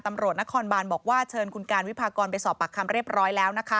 ตำรวจนครบานบอกว่าเชิญคุณการวิพากรไปสอบปากคำเรียบร้อยแล้วนะคะ